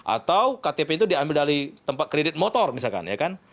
atau ktp itu diambil dari tempat kredit motor misalkan